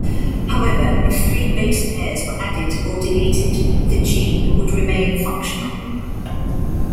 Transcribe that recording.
However, if three basepairs were added or deleted, the gene would remain functional.